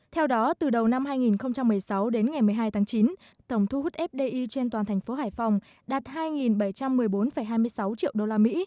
theo đó từ đầu năm hai nghìn một mươi sáu đến ngày một mươi hai tháng chín tổng thu hút fdi trên toàn thành phố hải phòng đạt hai bảy trăm một mươi bốn hai mươi sáu triệu usd